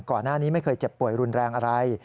ก่อนหน้านี้ไม่เคยเจ็บป่วยรุนแรงอะไร